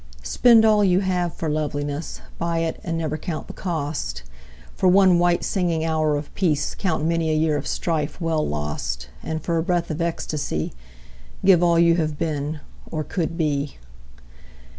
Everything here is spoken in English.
Spend all you have for loveliness, Buy it and never count the cost; For one white singing hour of peace Count many a year of strife well lost, And for a breath of ecstacy Give all you have been, or could be.